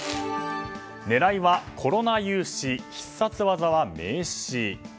狙いはコロナ融資必殺技は名刺。